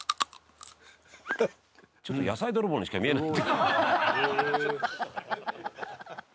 「ちょっと野菜泥棒にしか見えない」「」